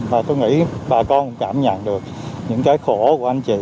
và tôi nghĩ bà con cảm nhận được những cái khổ của anh chị